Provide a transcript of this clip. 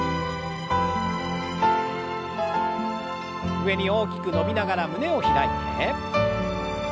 上に大きく伸びながら胸を開いて。